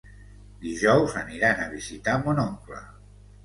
Dijous aniran a visitar mon oncle.